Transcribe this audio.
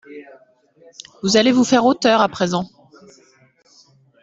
Vous allez vous faire auteur à présent ?